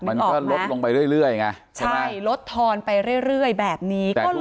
มันก็ลดลงไปเรื่อยไงใช่ลดทอนไปเรื่อยแบบนี้